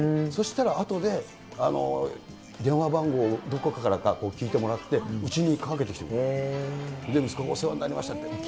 そしたら、あとで電話番号をどこかから聞いてもらって、うちにかけてきてくれて。